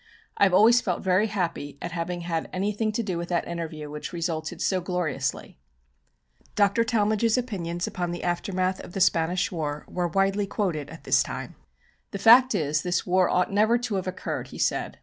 I have always felt very happy at having had anything to do with that interview, which resulted so gloriously." Dr. Talmage's opinions upon the aftermath of the Spanish war were widely quoted at this time. "The fact is this war ought never to have occurred," he said.